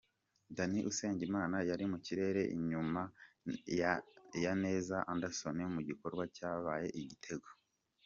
Danny Usengimana yari mu kirere inyuma ya Neza Anderson mu gikorwa cyabyaye igitego.